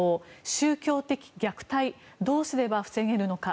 宗教的虐待どうすれば防げるのか。